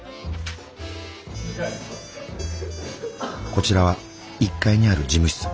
こちらは１階にある事務室。